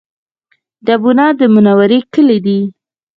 ډبونه د منورې کلی دی